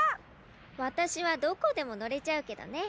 わたしはどこでものれちゃうけどね。